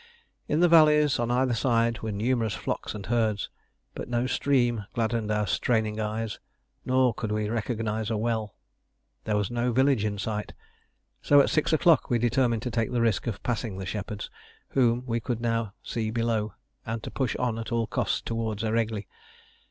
In the valleys on either side were numerous flocks and herds; but no stream gladdened our straining eyes, nor could we recognise a well. There was no village in sight, so at six o'clock we determined to take the risk of passing the shepherds, whom we could see below, and to push on at all costs towards Eregli.